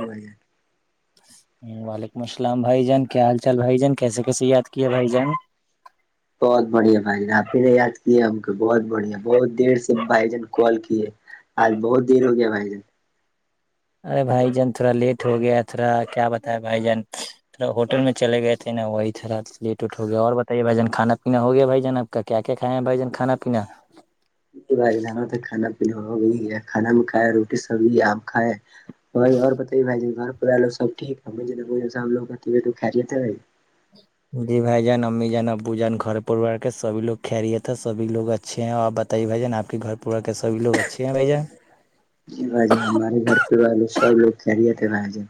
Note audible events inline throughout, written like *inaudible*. ہوا ہے وعلیکم السلام بھائی جان کیا حال چال بھائی جان کیسے کیسے یاد کیے بھائی جان بہت بڑھیا بھائی جن آپ ہی نے یاد کیا ہم کو بہت بڑھیا بہت دیر سے بھائی جن کال کیے آج بہت دیر ہو گیا بھائی جان ارے بھائی جان تھوڑا لیٹ ہو گیا تھوڑا کیا بتایا بھائی جان تھا ہوٹل میں چلے گئے تھے نا وہی تھرا لیٹ ہو گیا اور بتائیے بھائی جان کانا پینا ہو گیا بھائی جان اب کیا کیا کھائے ہیں بھائی جان کانا پینا با کانا پینانا بھی ہے کھانا میں کھائے روٹی سب بھی آپ کھائے بھائی اور بتائیے بھائی ج گھر پ لو سب ٹھیک ہے ہم لوگ ٹ ک رہے تھے بھائی جی بھائی جان امی جان ابو جان گھر پریوار کے سب لوگ خلیا تھا سبھی لوگ اچھے ہیں اورپ بتائیے بھ جان آپ کے گھر پور کے سب لوگ اچھے ہیں بھ جن یہ بج ہے ہمارے گھر ار میں سب لوگ کہہ رہے تھے بھائی جن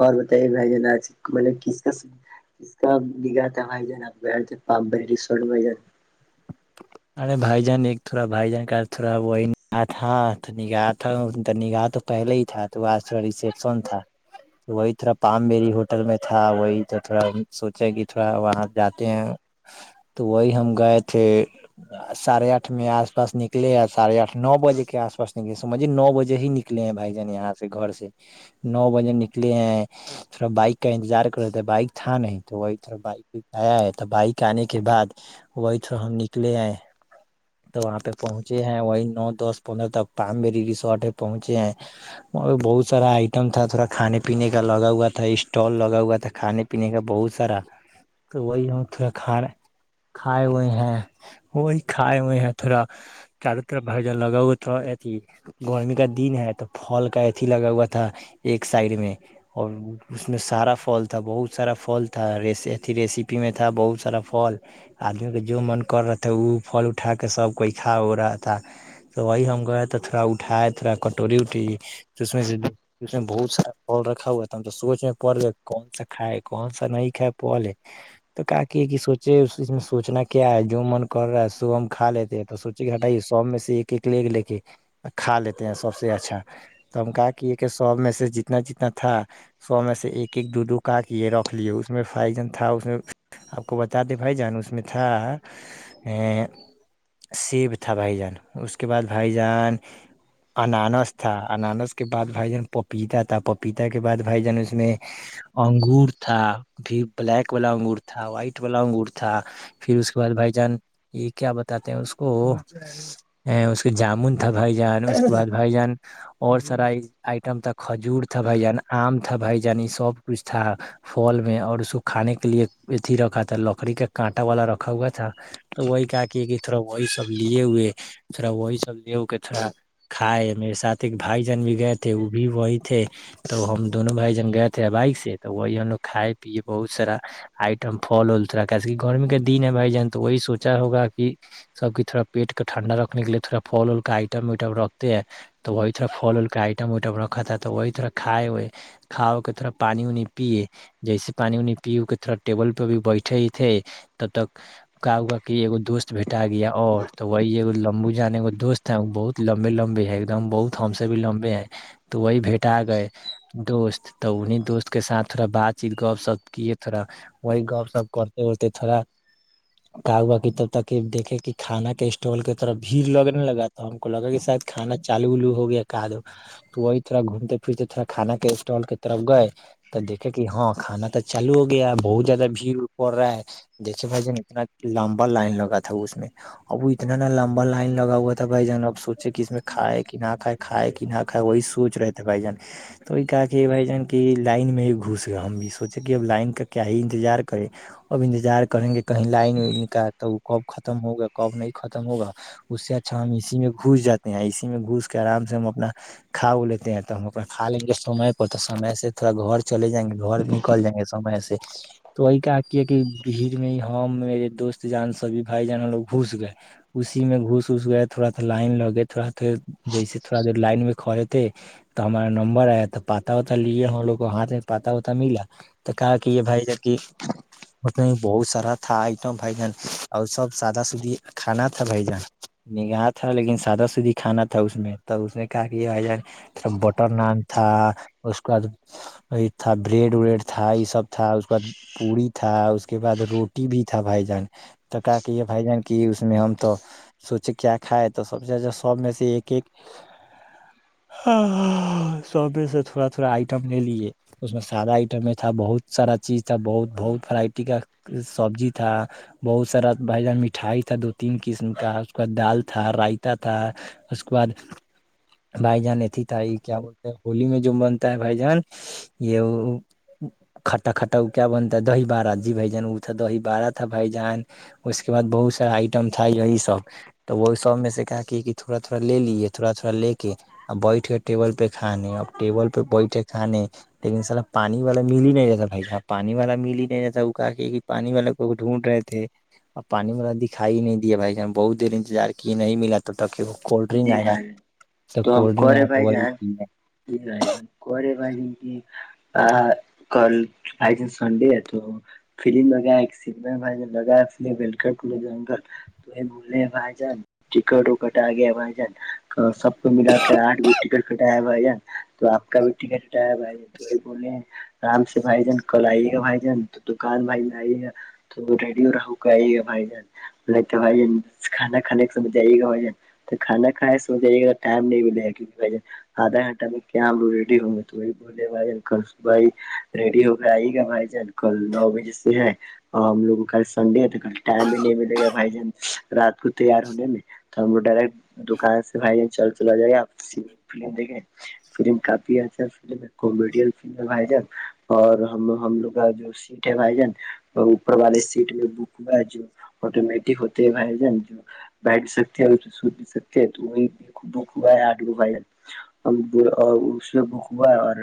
اور بتائیے بھائی جان آج مطلب کس کا اس کا نگا تھا بھائی جان اب پاپ بھ رسٹ بھائی جان ارے بھائی جان ایک تھوڑا بھائی جان کا تھڑا وہیا تھا تو نگاہا تھا نگاہا تو پہلے ہی تھا تو وہ آج کا ریسپشن تھا وہی تھوڑا پام میری ہوٹل میں تھا وہی تو تھوڑا سوچے کہ تھوڑا وہاں جاتے ہیں تو وہی ہم گئے تھے ساھے آٹھ میں آس پس نکلے ساھے آٹھ نو بجے کے آس پاس نکلے سمج جی نو بجے ہی نکل نکلے ہیں بھائی جن یہاں سے گھر سے نو بجے نکلے ہیں تھوا بائک کا انتظار کر رہے تھ بائک تھا نہیں تو وہی تھ بک آیا ہے تو بائک آنے کے بعد وہی تھ ہم نکلے آئے تو وہاں پہ پہنچے ہیں وہی نو دس پندرہ تک پامری ریسورٹ ہے پہنچے ہیں اور بہت سارا آئٹم تھا تھوڑا کھانے پینے کا لگا ہوا تھا اسٹال لگا ہوا تھا کھانے پینے کا بہت سارا تو وہی ہم تھڑا کھا رہ کھائے ہوئے ہیں وہی کائے ہو ہیں تھوڑا چارو طرف بھجا لگاؤ تھا ا گرمی کا دن ہے تو پھل کا اتھی لگا ہوا تھا ایک سائڈ میں اور اس میں سارا فھل تھا بہت سارا فھل تھا اھی ریسیپی میں تھا بہت سارا فھل آدمی کو جو من کر رہ تھا وہ فھل اٹھا کر کے س کوئیھا ہو رہا تھا تو وہی ہم گئے تو تھوڑا اٹھائے تھوڑا کٹوری اٹ اس میں سے اس میں بہت سارا پھ رکھا ہوا ہے تھا ہم تو سوچ میں پڑ گے کون سا کائے کون سا نہیں کائے پلے تو کاقی کی سوچے اس میں سوچنا کیا ہے جو من کر رہا ہے صب ہم کھا لیتے ہیں تو سوچے کہ ہٹائی سب میں سے ایک ایک ل ایک لے کے کھا لیتے ہیں سب سے اچھا تو ہم کہا کی یہ کہ سب میں سے جتنا جتنا تھا سو میں سے ایک ایک دوڈو کا کے یہ رکھ لی اس میں فائیجن تھا اس آپ کو بتا دے بھائی جان اس میں تھا ا سیب تھا بھائی جان اس کے بعد بھائی جان انانس تھا انانس کے بعد بھائی جان پپیتا تھا پپیتا کے بعد بھائی جان اس میں انگور تھا پھر بلیک والا انگور تھا وائٹ والا انگور تھا پھر اس ل بھائی جان یہ کیا بتاتے ہیں اس کو ا اس کے جامن تھا بھائی جان اس کے بعد بھائی جان اور سارا آئٹم تھا کھجور تھا بھائی جان آم تھا بھ جان سب کچھ تھا فل میں اور اس کو کھانے کے لیے اتھی رکھا تھا لکڑی کا کانٹا والا رکھا ا ہوا تھا تو وہی کاک کی طرف وہی سب لیے ہوئے تھرا وائ سب ل کہ تھرا کھائے میرے ساتھ ایک بھائی جان بھی گئے تھے وہ بھی وہی تھے تو ہم دونوں بھائی جن گئے تھے بائک سے تو وہی ہم لوگ کھائے پیے بہت سارا آئٹم فل ہوولا کیسے کہ گرمی کے دن ہے بھائی جان تو وہی سوچا ہوگا کہ سب تھوڑا پیٹ کا ٹھنڈا رکھنے کے لیے تھوڑا فل ال کا آئٹ وٹم رکھتے ہیں تو وہی تھڑا ف ال کا آئٹم وٹم رکھا تھا تو وہی تھوا کھائے کھاؤ کے طرح پانی وانی پیے جیسے پانی وانی پی ا کے تھوڑا ٹیبل پہ بھی بیٹھے ہی تھے تب تک کا اگا کے ایکو دوست بٹا گیا اور تو وہی لمبو جان دوست بہت لمبے لمبے ہے ایک دم بہت ہم سے بھی لمبے ہیں تو وہی بھیٹ آ گئے دوست تو انہیں دوست کے ساتھ تھوڑا بات چیت گپ سپ کیے تھوڑا وہی گپ سپ کرتے اتے تھوڑا کا با کیی تب تک دیکے کہھانا کے اسٹال کی طرف بھیڑ لگنے لگا تو ہم کولاگ کے ساتھ کھا چالو ولو ہو گیا کادو تو وہی تھوڑا گھومتے پھرتے تھوڑا کھانا کے اسٹال کی طرف گئے تو دیکے کہ ہاں کانا تو چالو ہو گیا بہت زیادہ بھیڑڑ پڑ رہا ہے دیکھیے بھائی جان اتنا لمبا لائن لگا تھا اس میں اب وہ اتنا نا لمبا لائن لگا ہوا تھا بھائی جان اب سوچے کہ اس میں کھائے کہ نہ کھائے کائے کہ نہ کائے وہی سوچ رہتے تھ بھائی جان تو وہی کا کہ بائی جان کہ لائن میں ہی گھس گ ہم بھی سوچیں کہ اب لائن کا کیا ہی انتظار کریں اب انتظار کریں گے کہیں لائن ون کا تو کب ختم ہوگا کب نہیں ختم ہوگا اس سے اچھا ہم اسی میں گھس جاتے ہیں اسی میں گھس کے آرام سے ہم اپنا کھا لیتے ہیں تو ہما کا لیں گےمے پ تو سمے سے تھوڑا گھر چلے جائیں گے گھر کل جائیں گے سمے سے تو وہی کا کیا ہے کہ بھیڑ میں ہی ہم میرے دوست جان سبھی بھائی جان لوگ گھس گئے اسی میں گھس وس گئے تھوڑا تھ لائن لگئے تھوڑا تھ جیس تھوڑا دیر لائن میں کھڑے تھے تو ہمارا نمبر آیا تو پاتا وتا لیجے ہم لوگ کو ہاتھ میں پاتا وتا ملا تو کہا کہ یہ بھائی جب کہ بہت سارا تھا آئٹم بھائی جان اور سب سادا سدی کھانا تھا بھائی جان نگاہار تھا لیکن سادہ سودی کھانا تھا اس میں ت اس نے کہا کہ یہائی جان تھا بٹر نان تھا اس کے بعد تھا بریڈ وریڈ تھا یہ سب تھا اس کے بعد پوی تھا اس اس کے بع روٹی بھی تھا بھائی جان تو کا کہ یہ بھائی جان کی اس میں ہم تو سوچے کیا کھائے تو سب سے سب میں سے ایک ایک ہاں ہ سو سے تھوڑا تھوڑا آئٹم لے لیے اس میں سادہ آئٹم میں تھا بہت سارا چیز تھا بہت بہت ورائٹی کا سبزی تھا بہت سارا بھائی جان مٹھائی تھا دو تین قسم کا اس بع دال تھا رائتا تھا اس کے بعد بھائی جان ایتھی تائی کیا بولتے ہیں ہولی میں جو بنتا ہے بھائی جان یہ وہ کھٹا کھٹا کیا بنتا ہے دہی بارہ جی بھ جان وہ تھا دہی بارہ تھا بھ جان اس کے بد بہت سارا آئٹم تھا یہی سب تو وہی سب میں سے کہ کے کہ تھوڑا تھوڑا لے لیے تھوڑا تھوڑاے کے ا بیٹھ کے ٹیبل پہ کھانے اب ٹیبل پہ بیٹھے کھانے لیکن سا پانی والا مل ہی نہیں دتاا بائیا پانی والا مل ہی نہیں د تھا کاق کہ پانی والے کوگ ڈھونڈ رہے تھے اور پانی ما دکھائی نہیں دے بھائی ہم بہت دیر انتظار کیے نہیں ملا تو تاک وہ کولڈ ڈرنک جی آیا بھائی جان تو کولڈ ڈرنک آیا تو وہی پی جے کو بج کہ آ کل آئی جن سنڈے ہے تو فم لگا ب لگا ف تو یہ بولے بھائی جان ٹکٹ وکٹ آ گیا بھ جان سب کو ملا کر آٹھ گو ٹکٹ کٹایا بھ جان تو آپ کا بھی ٹٹ بائی تو بو آرام سے بھائی جان کل آئیے گا بھائی جان تو دکان بھائی میں آئیے گا تو ریڈیو رہو گ آئیے گا بھائی جان بھائی جن کانا کھان کے سجھ جئیے گا بائی جان تو کانا کائے سوجے ٹائم نہیں مے آدھا گنٹہ میں کیا ہم لو ریڈی ہوں گے تو وہی ب بے بھائی جان کل بھائی ریڈی ہو کے آئیے گا بھائی جان کل نو بجے سے ہے ہم لوگوں کو کل سنڈے تو کل ٹائم بھی نہیں ملے گا بھائی جان رات کو تیار ہونے میں تو ہم لوگ ڈائریکٹ دکان سے بھائی چل چل آ جائے گے آپ ف دیکھیں فلم کافی اچھا ف ہے کومیڈ فلم لگائی جان اور ہم ہم لوگ کا جو سیٹے بھ جن اور اوپر والے سیٹ بک ہوا ہے جو آٹومیٹک ہوتے ب جان جو بیڈ سکتی ہے س سکتی ہے تو وہ ب آ آڈا ہم اور اس میں بھک ہوا ہے اور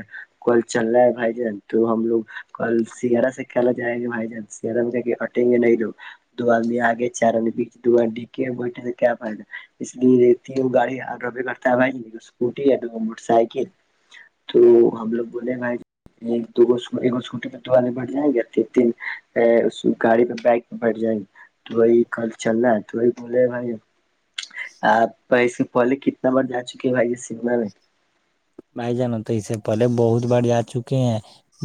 کل چل رہا ہے بھائی ج تو ہم لوگ کل سگارا سے کھیلا جائےیں گے بائی چانس اٹیں گے نہیں ل دو آ آگے چار دو کی بیٹھے تو کیا پائد *unintelligible* اس لیے تو گاڑی ہار رہبے کرتا ہے بائی اسکوٹی اور موٹر سائکل تو ہم لوگ بولے بھائی دو چھوٹی پہ دوعے بٹھ جائیں گے تین تین گاڑی پہ بائک پہ بٹھ جائیں گے *unintelligible* تو وہی کل چل رہا ہے تو وہی بولے بھائی آپ سے پہلے کتنا بار جا چکے ہیں بھائی یہ سم بھائی جانا تو اس سے پہلے بہت بار آ چکے ہیں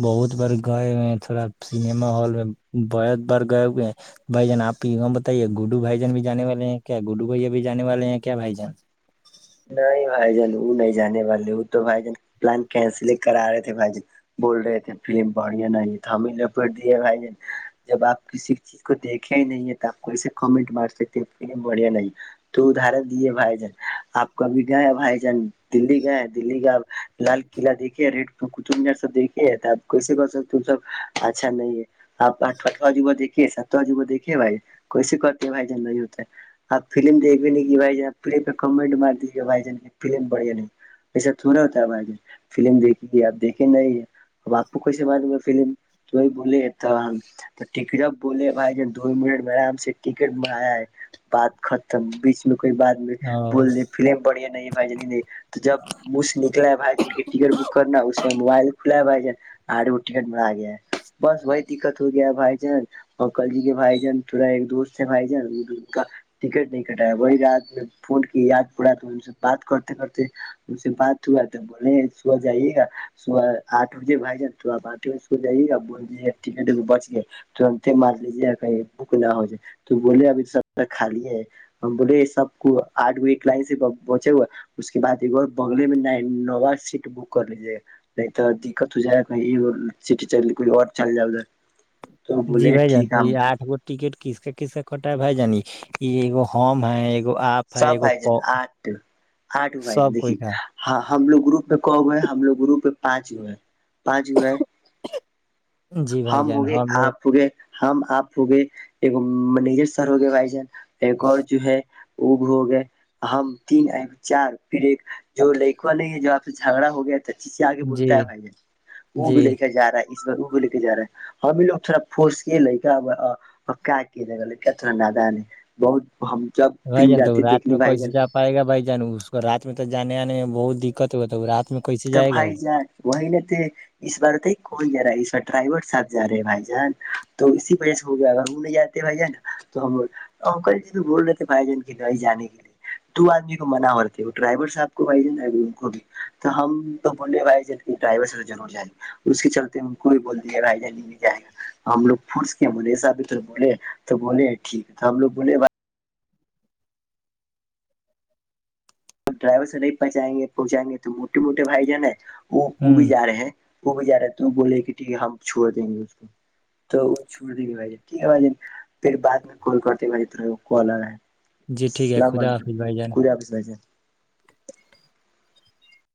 بہت بار گائے ہوئے ہیں تھوڑا سنیما ہال میں بہت بار گائے ہوئے ہیں بھائی جان آپ کی کوم بتائیے گوڈو بھائی جان بھی جے والے ہیں کیا گڈو بھیا بھی جے والے ہیں کیا بھائی جان نہیں بھائی جان وہ نہیں جانے والے وہ تو بھائی جان پلان کینسل ہی کرا رہے تھے بھائی جان بول رہے تھے فلم بڑھیا نہیں تو ہمیں ل پٹ دے بھائی جب آپ کسی اس کو دیکھیا ہی نہیں ہے *inaudible* آپ کو ایے کمنٹ مار سکتے بڑھیا نہیں تو ادارت دیے بھائی جان آپ کبھی گئے ہیں بھائی جان دی گئے ہیں دلی گپ لال قلع دیکھیے ریڈ تو کطبار سب دیکے اب کیسے کر سکتے سب اچھا نہیں ہے *unintelligible* آپ آٹھ آٹھواں جوا دیکھیے ساتواں جوا دیکھیے بھائی کوے کرتے ہے بھائی جی ہوتا ہے آپ فلم دھ بھی نہیں کہ بھائی جان آ فلم پہ کمنٹ مار دیجیے بھائی جان فلم بڑھیا نہیں ایسا تھوڑا ہوتا ہے بج فلم دیکھیے گی آپ دیکھیں نہیں بپ کوسے مار فم تو بولیت تو ٹھ جب بولے بھائی ج دو منٹ میںام سے ٹکٹ منایا ہے *unintelligible* بات ختم بیچ میں کوئی بات میں او بول د فم پڑ نہیں بھائی ج *unintelligible* تو جب منہ سے نکلا بھائی جن کی ٹکٹ بک کرنا اس سے موبائل کھلا ہے بھائی جان *unintelligible* ٹکٹ مرا گیا ہے بس وہی دقت ہو گیا بھائی جان اور کل جی کے بھائی جان تھوورا ایک دوست ہے بھائی جان کا ٹکٹ نہیں کٹایا وہی رات میں فون کی یاد پڑا تو ان سے بات کرتے کرتے اس سے بات ہوا تو بولے سو جائیے گا صبح آٹھ بجے بھائی جان توبپ آٹھ بجےکول جائیے گاپ بول جے ٹکٹ بچ گ *unintelligible* تو ان مار لیجیے کہ بک نہ ہو جائے تو بولے ابھی س خالی ہے *unintelligible* بولے سب کو آڈ گ *unintelligible* فائن سے پہنچے ہوئے اس کے بع ایک بگلے میںووا سیٹ بک کر لیجیے گا نہیں تو دقت ہو جائے کہ سٹی کوئی اور چل جائے ادھر تو جی بولے بائی جان ٹھیک ہے ہم یہ آٹھ گو ٹکٹ کس کا کس کا کٹ ہے بھ جانی یہگو ہوم ہے *unintelligible* ہے سب ایگو بھائی جان پ- آٹ آٹو بھائی ج سب دیکھی کوئی کا *unintelligible* ہاں ہم لوگ گروپ میں کو ہوئے ہیں ہم لوگ گروپ میں پانچ ہوئے ہیں پانچ ہوئے ہیں جی بھائی ہم جان ہوگئے لوگ آپ ہو گئے ہم آپ ہو گئے ایک منیجر سر ہو گئے بھائی جان ایک اور جو ہے وہ بھی ہو گئے ہم تین آ چار پھر ایک جو لکھوا نہیں ہے جو آپ سے جھگڑا ہو گیا ای سے آگے بولتا جی ہے بھائی ج وہ جی بھی لے کے جا ہے اس بار وہ بھی لے کے جا رہا ہے *unintelligible* ہمیں لوگ تھوڑا پھس کے لے گ کیا کیا جگہ لے کیا تھوڑا نادان ہے بہت ہم جب فلم جاتے دیکھنے بھائی جان پڑائے گا بھائی جان اس کو رات میں تو جے آنے میں بہت دقت ہو ہے رات میں کیسے تو جائے گا بھائی وہ جان وہی ن تھ *unintelligible* اس بار تو کون جا رہا ہے اس بار ڈرائیور صحب جا رہے ہیں بھائی جان تو اسی وجہ سے ہو گیا ا انیں یاد بھائی جان نا تو ہمکل ج بول رہ تھے بھائی جن کے لیے جے کے لیے *unintelligible* تو آدمی کو منع ہوتی ہے وہ ڈرائیور صاحب کو بائی کو بھی تو ہم تو بوننڈے بھج جے ڈرائیور سے جنور جائےے *unintelligible* اس کے چلتے ان کو بھی بول دیا رائےجانی میں جائے گا ہم لوگ فرس کیا بولے ایسابھی تو بولے تو بولے ٹھیک ہے تو ہم لوگ بولے بھائی ڈرائیور سے نہیں پہنچائیں گے پہنچائیں گے تو موٹے موٹے بھائی جن ہے وہ وہ ہ بھی ج رہے ہیں *unintelligible* وہ بھی جا رہے تو بولے کہ ٹھیک ہے ہم چھوا دیں گے اس کو تو چور دیکے بھیج ٹھ ہے ب ج پھر بع میں کال کرتی ماری طرح وہ کالر ہے جی ٹھیک ہے اللام خدا علیکم حافظ بھائی جان کور حافظ ب سے